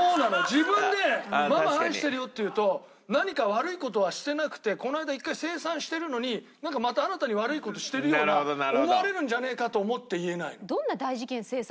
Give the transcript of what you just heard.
自分で「ママ愛してるよ」って言うと何か悪い事はしてなくてこの間１回清算してるのになんかまた新たに悪い事してるような思われるんじゃねえかと思って言えないの。